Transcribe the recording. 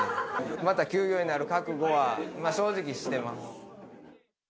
また休業になる覚悟は正直、してます。